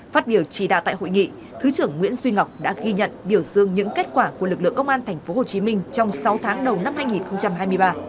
phát biểu chỉ đạo tại hội nghị thứ trưởng nguyễn duy ngọc đã ghi nhận biểu dương những kết quả của lực lượng công an tp hcm trong sáu tháng đầu năm hai nghìn hai mươi ba